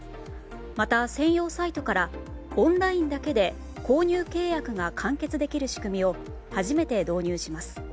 また、専用サイトからオンラインだけで購入契約が完結できる仕組みを初めて導入します。